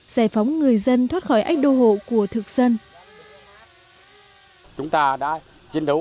giải phóng người dân thoát khỏi ách đô hộ của thực dân